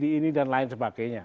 ini dan lain sebagainya